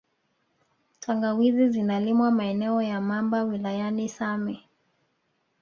Tangawizi zinalimwa maeneo ya Mamba wilayani same